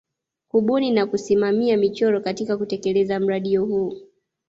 Kubuni na kusimamia michoro katika kutelekeza mradio huu